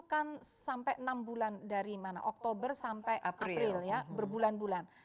kan sampai enam bulan dari mana oktober sampai april ya berbulan bulan